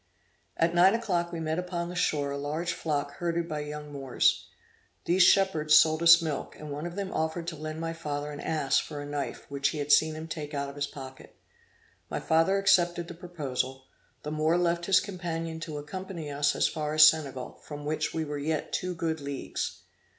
At nine o'clock we met upon the shore a large flock herded by young Moors. These shepherds sold us milk, and one of them offered to lend my father an ass for a knife which he had seen him take out of his pocket. My father having accepted the proposal, the Moor left his companion to accompany us as far as Senegal, from which we were yet two good leagues.